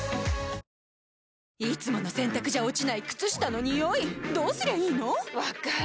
いつもの洗たくじゃ落ちない靴下のニオイどうすりゃいいの⁉分かる。